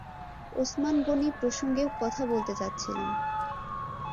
ওসমান গনি প্রসঙ্গে কথা বলতে চাচ্ছিলাম।